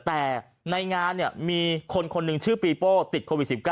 แต่ในงานเนี่ยมีคนคนหนึ่งชื่อปีโป้ติดโควิด๑๙